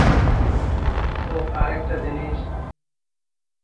ওহ, আর একটা জিনিস।